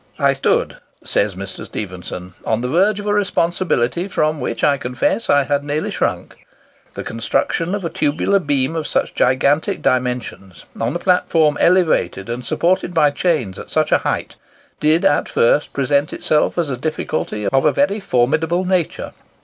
"I stood," says Mr. Stephenson, "on the verge of a responsibility from which, I confess, I had nearly shrunk. The construction of a tubular beam of such gigantic dimensions, on a platform elevated and supported by chains at such a height, did at first present itself as a difficulty of a very formidable nature.